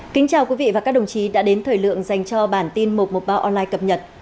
kính chào quý vị và các đồng chí đã đến thời lượng dành cho bản tin một trăm một mươi ba online cập nhật